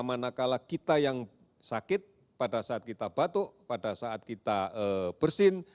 manakala kita yang sakit pada saat kita batuk pada saat kita bersin